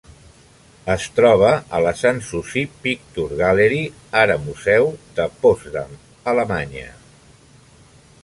Es troba a la Sanssouci Picture Gallery, ara museu, de Potsdam, Alemanya.